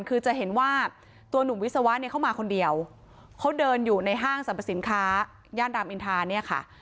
คือจะเห็นว่าตัวหนุ่มวิศวะเนี่ยเข้ามาคนเดียวเขาเดินอยู่ในห้างสรรพสินค้าย่านรามอินทาเนี่ยค่ะ